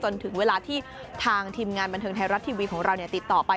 ถึงเวลาที่ทางทีมงานบันเทิงไทยรัฐทีวีของเราติดต่อไป